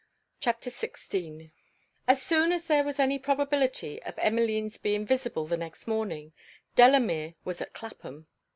CHAPTER XVI As soon as there was any probability of Emmeline's being visible the next morning, Delamere was at Clapham.